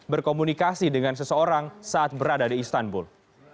berkomunikasi dengan seseorang saat berada di istanbul